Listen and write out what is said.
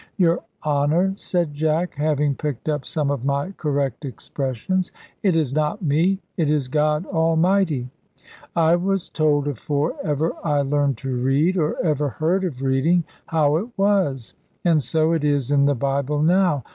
"Your Honour," said Jack, having picked up some of my correct expressions, "it is not me; it is God Almighty. I was told afore ever I learned to read, or ever heard of reading, how it was. And so it is in the Bible now.